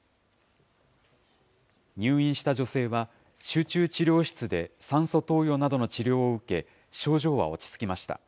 入院した女性は、集中治療室で酸素投与などの治療を受け、症状は落ち着きました。